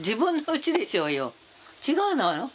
違うの？